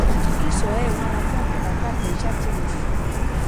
Iso é unha razón pola cal deixarche vivir.